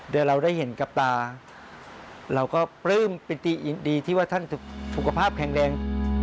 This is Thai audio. โดยเราได้เห็นกับตาเราก็ปลื้มปิติยินดีที่ว่าท่านสุขภาพแข็งแรง